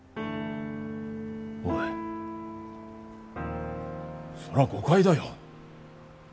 おいそれは誤解だよ。